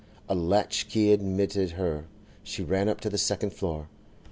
A latch key admitted her; she ran up to the second floor.